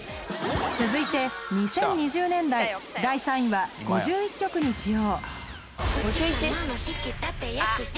続いて２０２０年代第３位は５１曲に使用